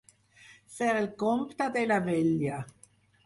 Fer el compte de la vella.